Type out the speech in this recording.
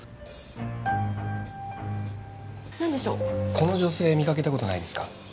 この女性見かけた事ないですか？